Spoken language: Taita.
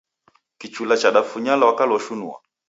Kichula chadafunya lwaka loshunua.